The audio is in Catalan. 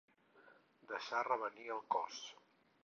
Deixar revenir el cos.